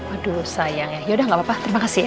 aduh sayang ya yaudah gak apa apa terima kasih